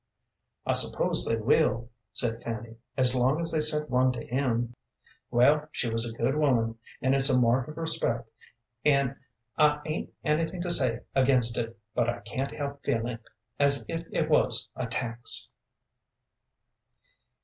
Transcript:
"I suppose they will," said Fanny, "as long as they sent one to him. Well, she was a good woman, and it's a mark of respect, and I 'ain't anything to say against it, but I can't help feeling as if it was a tax."